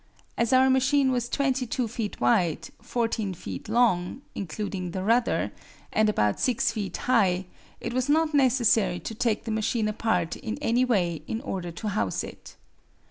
As our machine was 22 feet wide, 14 feet long (including the rudder), and about 6 feet high, it was not necessary to take the machine apart in any way in order to house it.